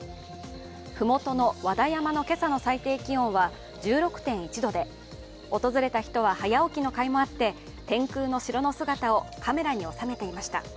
麓の和田山の今朝の最低気温は１６．１度で訪れた人は、早起きのかいもあって天空の城の姿をカメラに収めていました。